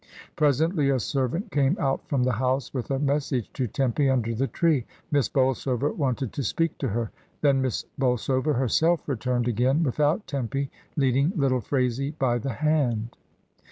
Presently a servant came out from the house with a message to Tempy under the tree. Miss Bolsover wanted to speak to her. Then Miss Bol sover herself returned again without Tempy, leading little Phraisie by the hand.